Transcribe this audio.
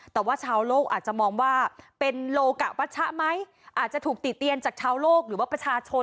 แต่ว่าชาวโลกอาจจะมองว่าเป็นโลกะวัชชะไหมอาจจะถูกติเตียนจากชาวโลกหรือว่าประชาชน